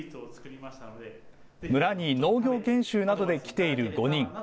村に農業研修などで来ている５人。